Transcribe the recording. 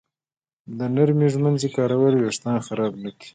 د نرمې ږمنځې کارول وېښتان خراب نه کوي.